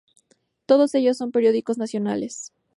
Todos ellos son periódicos nacionales.